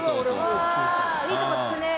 いいとこ突くね。